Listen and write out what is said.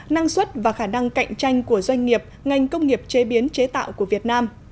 năng suất và khả năng cạnh tranh của doanh nghiệp ngành công nghiệp chế biến chế tạo của việt nam